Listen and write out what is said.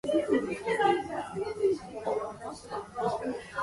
Over several decades, he worked at various places.